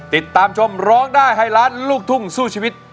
ติดตามชมร้องได้ให้ล้านลูกทุ่งสู้ชีวิต